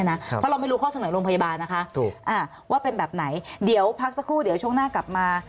เพราะเราไม่รู้ข้อเสนอโรงพยาบาลนะคะว่าเป็นแบบไหนเดี๋ยวพักสักครู่เดี๋ยวช่วงหน้ากลับมา